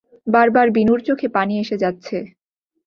বারবার বিনুর চোখে পানি এসে যাচ্ছে।